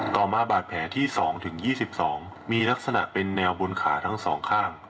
ต่อมาบาดแผลที่๒๒มีลักษณะเป็นแนวบนขาทั้งสองข้าง